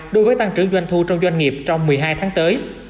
đối với tăng trưởng doanh thu trong doanh nghiệp trong một mươi hai tháng tới